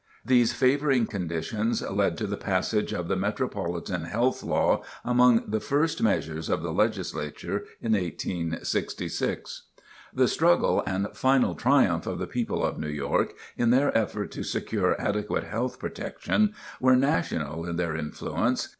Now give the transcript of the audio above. These favoring conditions led to the passage of the "Metropolitan Health Law" among the first measures of the Legislature in 1866. The struggle and final triumph of the people of New York, in their efforts to secure adequate health protection, were national in their influence.